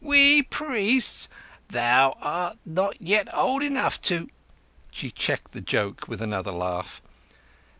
"We priests! Thou art not yet old enough to—" She checked the joke with another laugh.